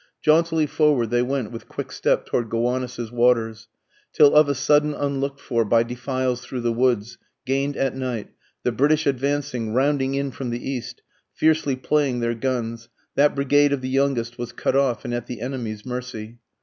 Jauntily forward they went with quick step toward Gowanus' waters, Till of a sudden unlook'd for by defiles through the woods, gain'd at night, The British advancing, rounding in from the east, fiercely playing their guns, That brigade of the youngest was cut off and at the enemy's mercy.